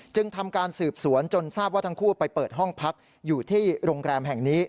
ทำการสืบสวนจนทราบว่าทั้งคู่ไปเปิดห้องพักอยู่ที่โรงแรมแห่งนี้